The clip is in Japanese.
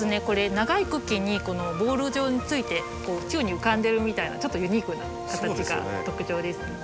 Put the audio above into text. これ長い茎にこのボール状について宙に浮かんでるみたいなちょっとユニークな形が特徴です。